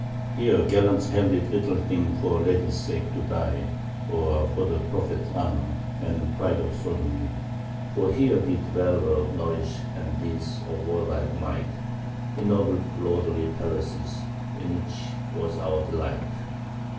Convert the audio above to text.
Here gallants held it little thing for ladies' sake to die, Or for the Prophet's honour, and pride of Soldanry; For here did valour nourish and deeds of warlike might Ennobled lordly palaces in which was our delight.